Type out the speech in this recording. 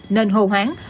nên hồ hoáng